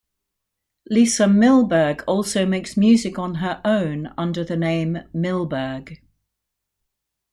Lisa Milberg also makes music on her own, under the name Milberg.